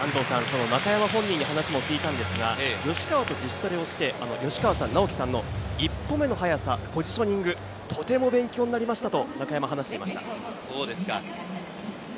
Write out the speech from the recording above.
中山本人に話を聞いたんですが、吉川と自主トレをして、尚輝さんの一歩目の速さ、ポジショニング、とても勉強になりましたと中山は話していました。